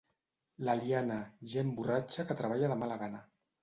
L'Eliana, gent borratxa que treballa de mala gana.